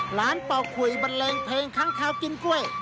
เป่าขุยบันเลงเพลงค้างคาวกินกล้วย